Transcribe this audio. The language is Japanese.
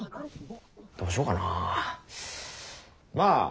どうしようかなまあ